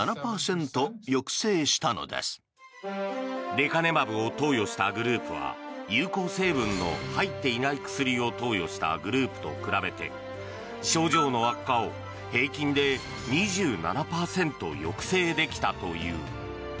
レカネマブを投与したグループは有効成分の入っていない薬を投与したグループと比べて症状の悪化を平均で２７％抑制できたという。